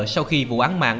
sau khi vụ án mạng